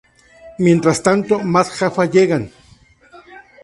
Mientras tanto más Jaffa llegan.